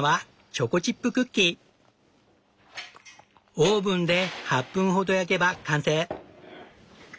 オーブンで８分ほど焼けば完成。